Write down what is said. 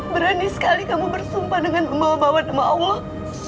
berani sekali kamu bersumpah dengan lembawa bawa nama allah